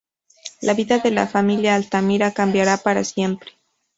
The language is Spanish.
La vida de la familia Altamira cambiara para siempre.